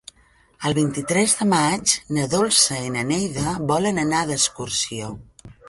El vint-i-tres de maig na Dolça i na Neida volen anar d'excursió.